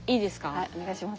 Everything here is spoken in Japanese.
はいお願いします。